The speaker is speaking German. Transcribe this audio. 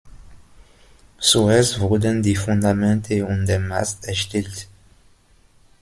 Zuerst wurden die Fundamente und der Mast erstellt.